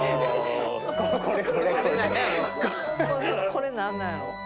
これ何なんやろ？